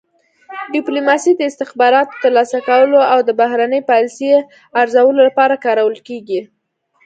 ډیپلوماسي د استخباراتو ترلاسه کولو او د بهرنۍ پالیسۍ ارزولو لپاره کارول کیږي